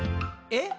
「え？